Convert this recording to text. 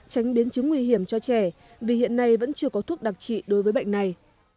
tránh biến chứng nguy hiểm cho trẻ vì hiện nay vẫn chưa có thuốc đặc trị đối với bệnh này